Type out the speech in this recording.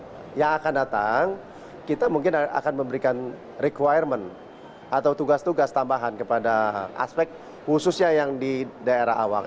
nah yang akan datang kita mungkin akan memberikan requirement atau tugas tugas tambahan kepada aspek khususnya yang di daerah awak